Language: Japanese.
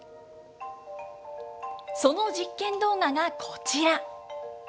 その実験動画がこちら。